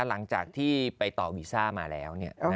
หลังจากที่ไปต่อวีซ่ามาแล้ว